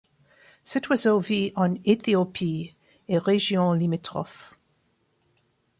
Cet oiseau vit en Éthiopie et régions limitrophes.